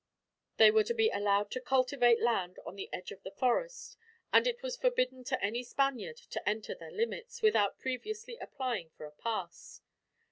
They were to be allowed to cultivate land on the edge of the forest, and it was forbidden to any Spaniard to enter their limits, without previously applying for a pass.